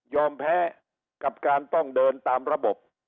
แพ้กับการต้องเดินตามระบบ